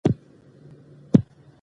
څېړنې به لار وښيي.